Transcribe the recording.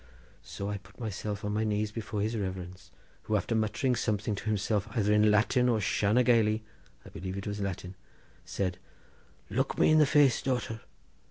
So I put myself on my knees before his reverence, who after muttering something to himself, either in Latin or Shanna Gailey—I believe it was Latin, said, 'Look me in the face, daughter!